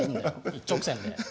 一直線で。